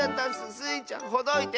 スイちゃんほどいて！